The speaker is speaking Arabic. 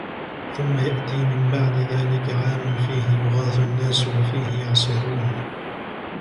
ثُمَّ يَأْتِي مِنْ بَعْدِ ذَلِكَ عَامٌ فِيهِ يُغَاثُ النَّاسُ وَفِيهِ يَعْصِرُونَ